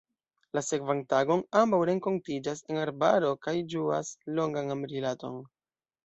La sekvan tagon, ambaŭ renkontiĝas en arbaro kaj ĝuas longan amrilaton.